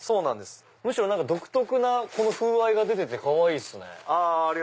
むしろ独特な風合いが出ててかわいいっすね。